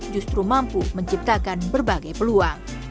justru mampu menciptakan berbagai peluang